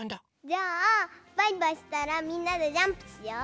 じゃあバイバイしたらみんなでジャンプしよう！